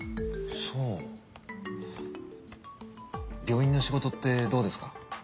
そう病院の仕事ってどうですか？